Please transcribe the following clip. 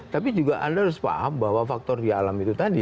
tapi juga anda harus paham bahwa faktor di alam itu tadi